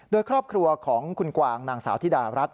โดยครอบครัวของคุณกวางนางสาวธิดารัฐ